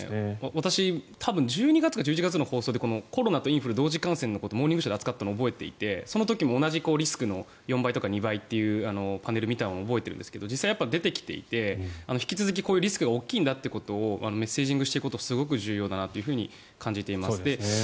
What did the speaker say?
私、多分１２月か１１月の放送でコロナとインフル同時感染のことを「モーニングショー」で扱ったのを覚えていてその時も同じリスクの４倍とか２倍っていうパネルを見たのを覚えているんですが実際、出てきていて引き続き、こういうリスクが大きいんだということをメッセージングしていくことはすごく重要だなと感じています。